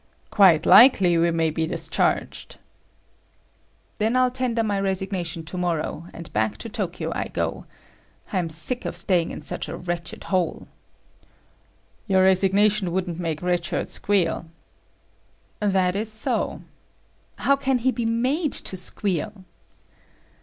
"Quite likely we may be discharged." "Then I'll tender my resignation tomorrow, and back to Tokyo I go. I am sick of staying in such a wretched hole." "Your resignation wouldn't make Red Shirt squeal." "That's so. How can he be made to squeal?"